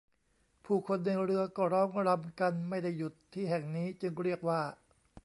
ผู้คนในเรือก็ร้องรำกันไม่ได้หยุดที่แห่งนี้จึงเรียกว่า